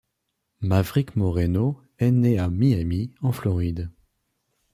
Mavrick Moreno est né à Miami, en Floride.